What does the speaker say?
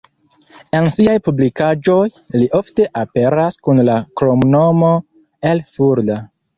En siaj publikaĵoj li ofte aperas kun la kromnomo "el Fulda".